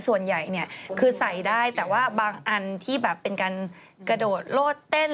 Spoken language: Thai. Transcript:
ส่วนใหญ่เนี่ยคือใส่ได้แต่ว่าบางอันที่แบบเป็นการกระโดดโลดเต้น